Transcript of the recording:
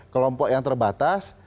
kelompok yang terbatas